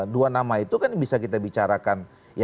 dua nama itu kan bisa kita bicarakan